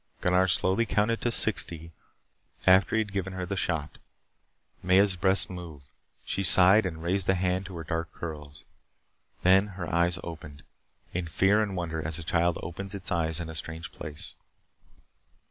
Gunnar slowly counted to sixty after he had given her the shot. Maya's breasts moved. She sighed and raised a hand to her dark curls. Then her eyes opened in fear and wonder as a child opens its eyes in a strange place.